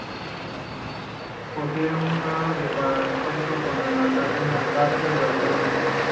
Posee un grado de parentesco con el cardenal Tarcisio Bertone.